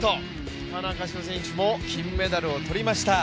田中志歩選手も金メダルを取りました。